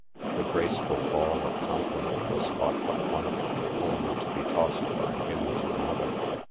The graceful ball of compliment was caught by one of them, only to be tossed by him to another.